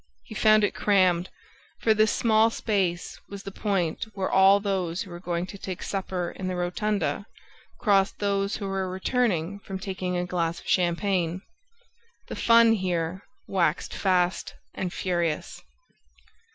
He found it crammed; for this small space was the point where all those who were going to supper in the Rotunda crossed those who were returning from taking a glass of champagne. The fun, here, waxed fast and furious.